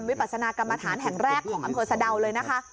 ปัสนากรรมฐานแห่งแรกของอำเภอสะดาวเลยนะคะ